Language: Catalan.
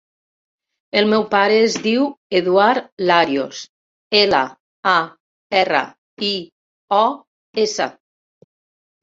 El meu pare es diu Eduard Larios: ela, a, erra, i, o, essa.